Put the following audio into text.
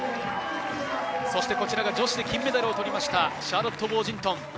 こちらが女子で金メダルを取りました、シャーロット・ウォージントン。